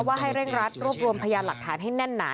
ให้เร่งรัดรวบรวมพยานหลักฐานให้แน่นหนา